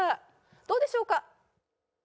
どうでしょうか？